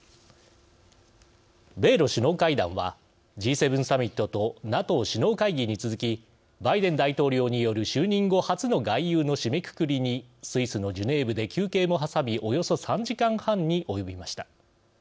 米ロ首脳会談はＧ７サミットとＮＡＴＯ首脳会議に続きバイデン大統領による就任後初の外遊の締めくくりにスイスのジュネーブで休憩も挟みおよそ３時間半に及びました。